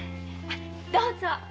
どうぞ。